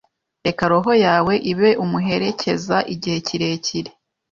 Reka roho yawe ibe umuherekeza igihe kirekire